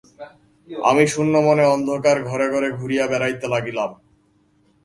আমি শূন্য মনে অন্ধকার ঘরে ঘরে ঘুরিয়া বেড়াইতে লাগিলাম।